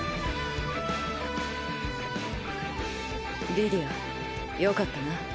リディアよかったな